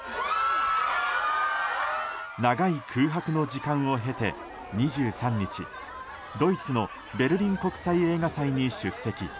長い空白の時間を経て、２３日ドイツのベルリン国際映画祭に出席。